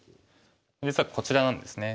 実はこちらなんですね。